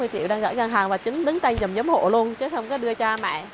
sáu mươi triệu đang gửi căn hàng và chính đứng tay nhầm nhấm hộ luôn chứ không có đưa cho cha mẹ